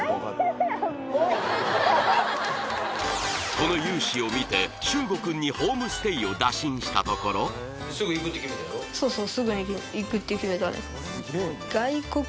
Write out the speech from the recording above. この勇姿を見て秀悟くんにホームステイを打診したところそうそう